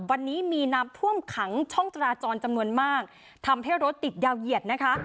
วันนี้มีน้ำท่วมขังช่องจราจรจำนวนมากทำให้รถติดยาวเหยียดนะคะ